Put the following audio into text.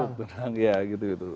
gebuk tendang iya gitu gitu